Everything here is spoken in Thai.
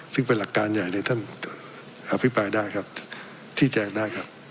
ซึ่งเป็นหลักการใหญ่ที่ท่านอภิปรายได้ครับชี้แจงได้ครับ